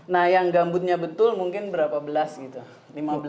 nah yang gambutnya betul mungkin berapa belas gitu